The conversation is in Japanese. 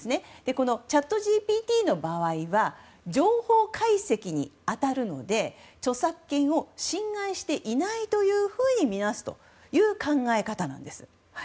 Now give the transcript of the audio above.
このチャットＧＰＴの場合は情報解析に当たるので著作権を侵害していないとみなすという考え方なんです。